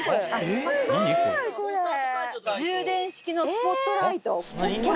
充電式のスポットライト。